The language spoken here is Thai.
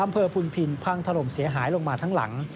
อำเภอพุนภิรพังทะลมเสียหายลงมาทั้งหลัง